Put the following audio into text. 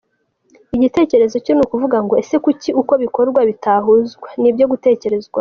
Igitekerezo cye ni ukuvuga ngo : ese kuki uko bikorwa bitahuzwa ? Ni ibyo gutekerezaho.